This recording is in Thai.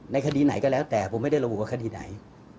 คดีไหนก็แล้วแต่ผมไม่ได้ระบุว่าคดีไหน